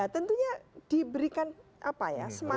tentunya diberikan apa ya semangat